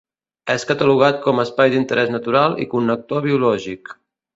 És catalogat com espai d'interès natural i connector biològic.